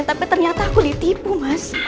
tapi ternyata aku ditipu mas